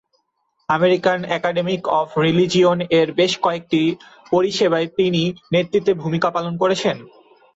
American Academy of Religion এর বেশ কয়েকটি পরিসেবায় তিনি নেতৃত্বে ভূমিকা পালন করেছেন।